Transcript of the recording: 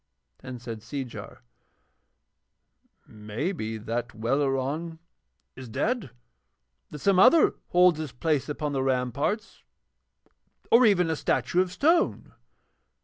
Then said Seejar: 'Maybe that Welleran is dead and that some other holds his place upon the ramparts, or even a statue of stone.'